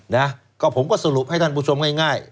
นะก็ผมก็สรุปให้ท่านผู้ชมง่าย